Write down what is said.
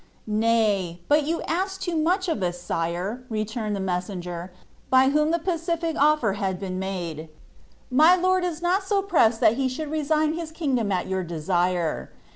"Hay, but you ask loo much of ns, sire." returned the messenger, by whom t)ie pacific offer had been made ;'■ my lord is not so pressed that he should resign his kingdom at your desire.